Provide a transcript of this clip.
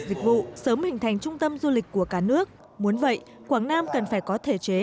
dịch vụ sớm hình thành trung tâm du lịch của cả nước muốn vậy quảng nam cần phải có thể chế